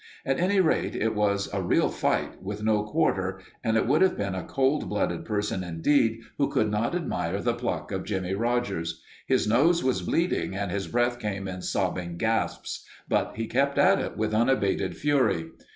At any rate, it was a real fight, with no quarter, and it would have been a cold blooded person indeed who could not admire the pluck of Jimmie Rogers. His nose was bleeding and his breath came in sobbing gasps, but he kept at it with unabated fury.